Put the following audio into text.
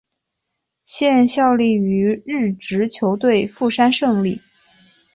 现效力于日职球队富山胜利。